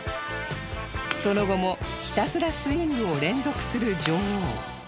その後もひたすらスイングを連続する女王